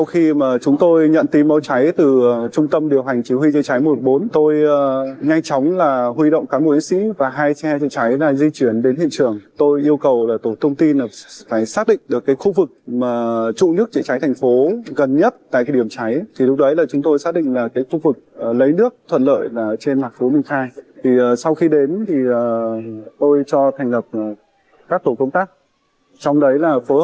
hãy cùng gặp gỡ những cán bộ chiến sĩ ấy trong phóng sự sau đây